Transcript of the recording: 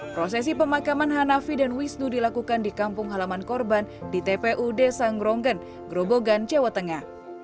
prosesi pemakaman hanafi dan wisnu dilakukan di kampung halaman korban di tpu desa ngerongen grobogan jawa tengah